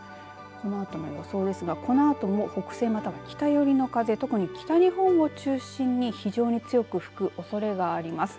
このあとの予想ですがこのあとも北西または北寄りの風特に北日本を中心に非常に強く吹くおそれがあります。